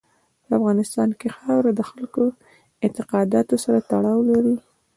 په افغانستان کې خاوره د خلکو اعتقاداتو سره تړاو لري.